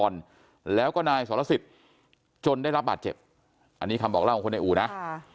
เราก็นายสรษิตจนได้รับบาดเจ็บอันนี้คำบอกเล่าของคนในอู่ซ่อมรถนะ